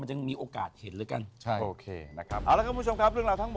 มันยังมีโอกาสเห็น